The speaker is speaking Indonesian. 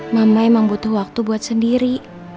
mama emang butuh waktu buat sendiri